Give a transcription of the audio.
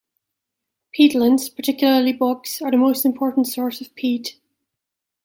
Peatlands, particularly bogs, are the most important source of peat.